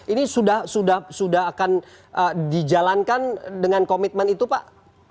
ini sudah akan dijalankan dengan komitmen itu pak